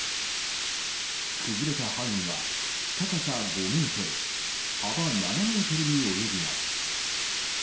崩れた範囲は高さ５ｍ幅７ｍに及びます。